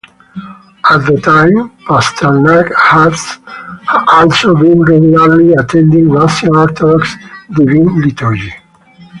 At the time, Pasternak had also been regularly attending Russian Orthodox Divine Liturgy.